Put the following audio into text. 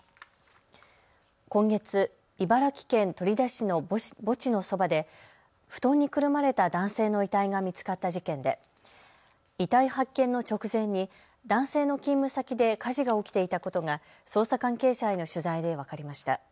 今月、茨城県取手市の墓地のそばで布団にくるまれた男性の遺体が見つかった事件で遺体発見の直前に男性の勤務先で火事が起きていたことが捜査関係者への取材で分かりました。